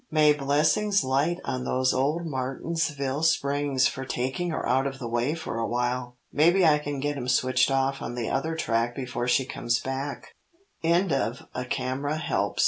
May blessings light on those old Martinsville Springs for taking her out of the way for awhile! Maybe I can get him switched off on the other track before she comes back." CHAPTER VI "GARDEN FANCIES" "O